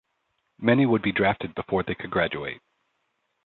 Many would be drafted before they could graduate.